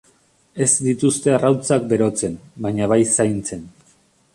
Ez dituzte arrautzak berotzen, baina bai zaintzen.